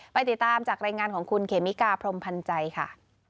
ไปติดตามจากรายงานของคุณเขมิกาพรมพันธ์ใจค่ะ